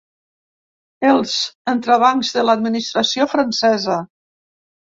Els entrebancs de l’administració francesa.